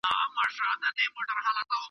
زه پوهېدم تاته مي نه ویله .